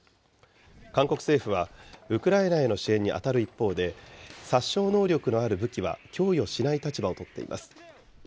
韓国政府は、ウクライナへの支援に当たる一方で、殺傷能力のある武器は供与しない立場を取っています。